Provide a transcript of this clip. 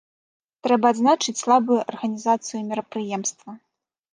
Трэба адзначыць слабую арганізацыю мерапрыемства.